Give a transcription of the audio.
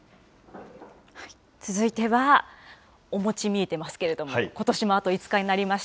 続いてはお餅見えてますけれども、ことしもあと５日になりました。